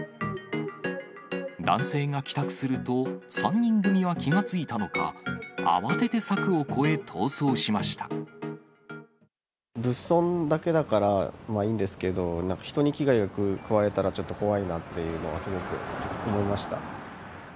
男性が帰宅すると、３人組は気が付いたのか、物損だけだからまあ、いいんですけど、なんか人に危害を加えられたらちょっと怖いなっていうのは、すごく思いました。